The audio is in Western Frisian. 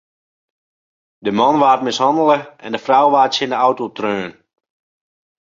De man waard mishannele en de frou waard tsjin de auto treaun.